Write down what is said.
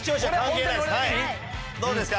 「どうですか？